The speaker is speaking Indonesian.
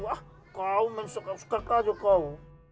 ah kau masuk sekak sekak aja kau